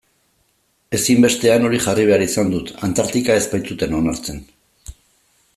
Ezinbestean hori jarri behar izan dut, Antartika ez baitzuten onartzen.